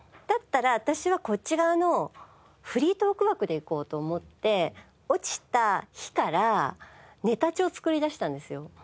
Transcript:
だったら私はこっち側のフリートーク枠でいこうと思って落ちた日からネタ帳作りだしたんですよ。